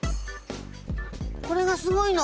これがすごいの！